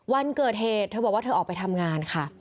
วันเกิดเหตุเธอบอกว่าเธอออกไปทำงานค่ะ